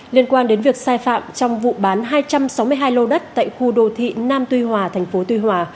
liên quan đến việc sai phạm trong vụ bán hai trăm sáu mươi hai lô đất tại khu đô thị nam tuy hòa thành phố tuy hòa